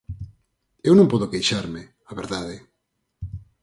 Eu non podo queixarme, a verdade.